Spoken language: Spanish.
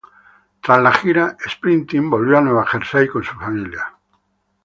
Tras la gira, Springsteen volvió a Nueva Jersey con su familia.